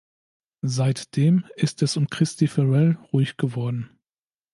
Seitdem ist es um Kristi Ferrell ruhig geworden.